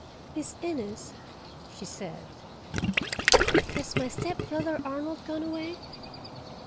"Miss Innes," she said, "has my stepbrother Arnold gone away?"